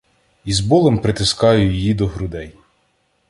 Із болем притискаю її до грудей.